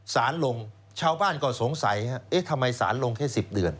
สารลงชาวบ้านก็สงสัยเอ๊ะทำไมสารลงแค่๑๐เดือน